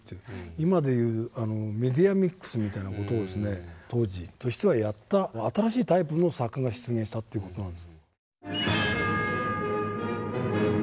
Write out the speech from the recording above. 今でいうメディアミックスみたいな事を当時としてはやった新しいタイプの作家が出現したという事なんです。